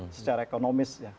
secara ekonomis ya